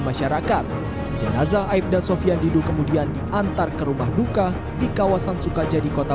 masyarakat jenazah aibda sofian didu kemudian diantar ke rumah duka di kawasan sukajadi kota